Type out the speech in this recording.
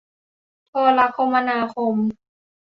โทรคมนาคม